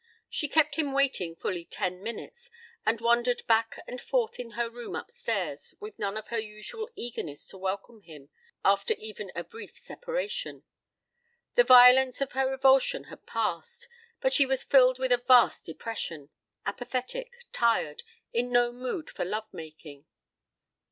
She kept him waiting fully ten minutes, and wandered back and forth in her room upstairs with none of her usual eagerness to welcome him after even a brief separation. The violence of her revulsion had passed, but she was filled with a vast depression, apathetic, tired, in no mood for love making.